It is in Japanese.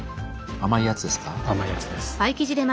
甘いやつです。